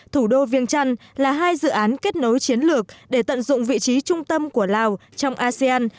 thủ đô viêng trăn là hai dự án kết nối chiến lược để tận dụng vị trí trung tâm của lào trong asean